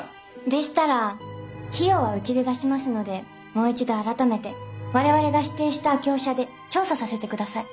でしたら費用はうちで出しますのでもう一度改めて我々が指定した業者で調査させてください。